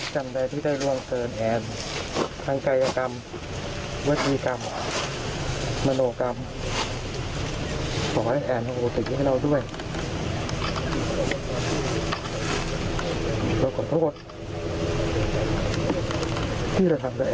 ขอโทษที่เราทำแผนแบบนี้